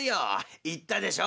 言ったでしょう